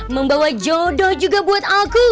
membawa jodoh juga buat aku